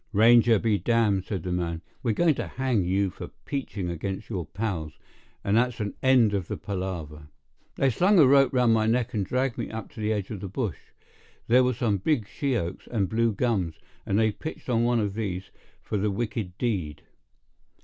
"Ranger be damned!" said the man. "We're going to hang you for peaching against your pals; and that's an end of the palaver." They slung a rope round my neck and dragged me up to the edge of the bush. There were some big she oaks and blue gums, and they pitched on one of these for the wicked deed.